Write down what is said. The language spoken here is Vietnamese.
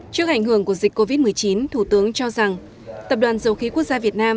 trước ảnh hưởng của dịch covid một mươi chín thủ tướng cho rằng tập đoàn dầu khí quốc gia việt nam